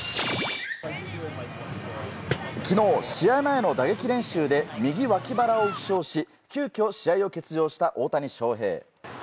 昨日、試合前の打撃練習で右脇腹を負傷し急きょ、試合を欠場した大谷翔平。